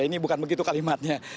ini bukan begitu kalimatnya